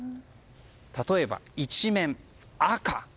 例えば一面、赤。